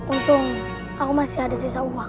untung kamu masih ada sisa uang